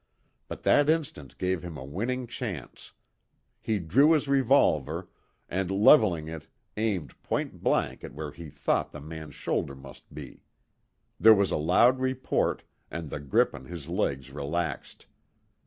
But that instant gave him a winning chance. He drew his revolver, and leveling it, aimed point blank at where he thought the man's shoulder must be. There was a loud report, and the grip on his legs relaxed.